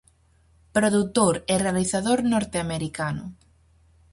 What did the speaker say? Produtor e realizador norteamericano.